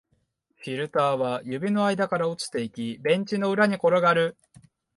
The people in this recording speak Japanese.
フィルターは指の間から落ちていき、ベンチの裏に転がる